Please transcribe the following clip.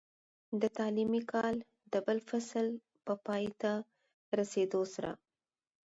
د تعليمي کال د بل فصل په پای ته رسېدو سره،